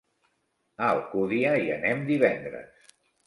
A Alcúdia hi anem divendres.